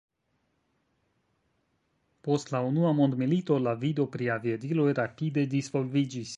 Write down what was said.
Post la unua mondmilito, la vido pri aviadiloj rapide disvolviĝis.